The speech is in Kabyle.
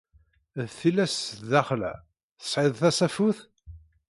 D tillas sdaxel-a. Tesɛiḍ tasafut?